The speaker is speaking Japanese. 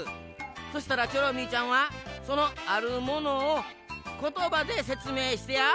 そしたらチョロミーちゃんはそのあるものをことばでせつめいしてや。